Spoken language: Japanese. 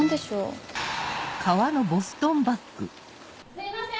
・・すいません！